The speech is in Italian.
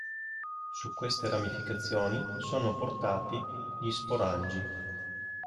Su queste ramificazioni sono portati gli sporangi.